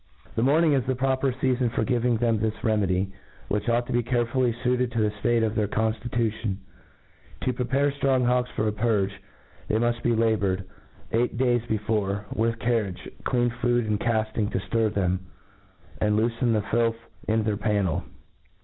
The H h morning S42 A TREATISE OE* morning is the proper fcafon for giving thenf this remedy, which ought to be carefully fuitcd to the ftite of their conftitution* To prepare ftrong hawks for a purge, they muft be la boured, eight days before, with carriage, clean food, and cafting, to ftir them, and loofen the filth in their pannel.